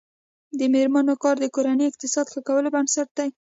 د میرمنو کار د کورنۍ اقتصاد ښه کولو سبب دی.